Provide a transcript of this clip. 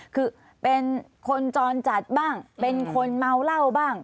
คือเป็นคนจรจัดบ้างเป็นคนเมาเหล้าบ้าง